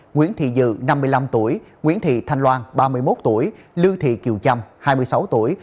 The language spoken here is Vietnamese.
nguyễn thị dự năm mươi năm tuổi nguyễn thị thanh loan ba mươi một tuổi lưu thị kiều chăm hai mươi sáu tuổi